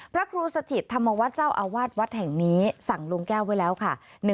พระครูสถิตธรรมวัฒน์เจ้าอาวาสวัดแห่งนี้สั่งลุงแก้วไว้แล้วค่ะ